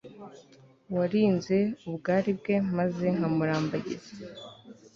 warinze ubwari bwe maze nkamurambagiza